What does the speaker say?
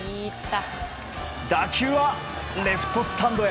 打球はレフトスタンドへ。